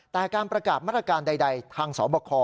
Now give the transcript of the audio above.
แต่การประกาศมาตรการใดทางสบค